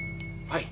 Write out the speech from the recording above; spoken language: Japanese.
はい！